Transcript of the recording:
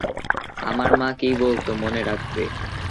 আমার মা কী বলত, মনে রাখবে।